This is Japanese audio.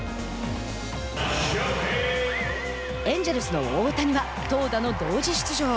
エンジェルスの大谷は投打の同時出場。